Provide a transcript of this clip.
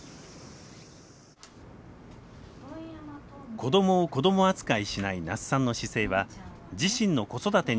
子どもを子ども扱いしない那須さんの姿勢は自身の子育てにも表れています。